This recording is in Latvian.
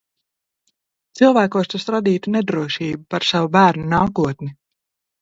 Cilvēkos tas radītu nedrošību par savu bērnu nākotni.